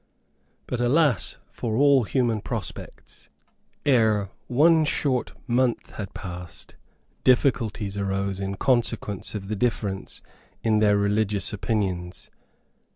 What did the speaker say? But, alas for all human prospects! Ere one short month had passed, difficulties arose in consequence of the difference in their religious opinions.